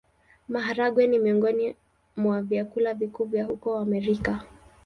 Maharagwe ni miongoni mwa vyakula vikuu vya huko Amerika.